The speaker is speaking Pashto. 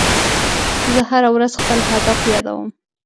زه هره ورځ خپل هدف یادوم.